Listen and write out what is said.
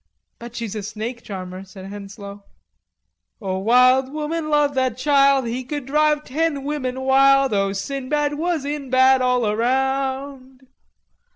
"Bet she's a snake charmer," said Henslowe. "O, wild woman loved that child He would drive ten women wild! O, Sinbad was in bad all around!"